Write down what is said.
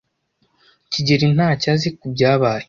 kigeli ntacyo azi kubyabaye.